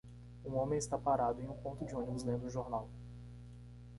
Um homem está parado em um ponto de ônibus lendo um jornal.